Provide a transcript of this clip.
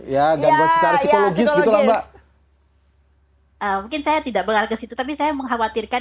ya gangguan secara psikologis gitu lah mbak mungkin saya tidak menghargai itu tapi saya mengkhawatirkan